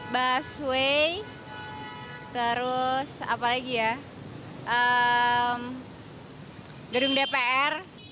busway terus apa lagi ya gedung dpr